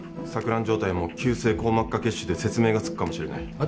錯乱状態も急性硬膜下血腫で説明がつくかもしれない。